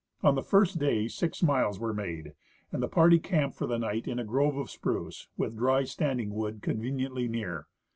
On the first day six miles were made, and the party camped for the night in a grove of spruce, with dry standing wood conveniently near.